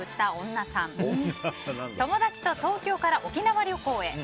友達と東京から沖縄旅行へ。